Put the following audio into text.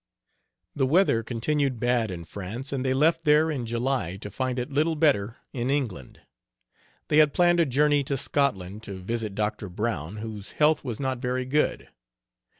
The weather continued bad in France and they left there in July to find it little better in England. They had planned a journey to Scotland to visit Doctor Brown, whose health was not very good.